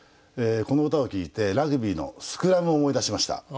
この歌を聞いてラグビーのスクラムを思い出しました。